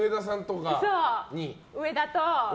上田と。